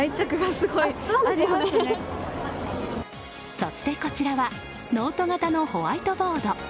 そして、こちらはノート型のホワイトボード。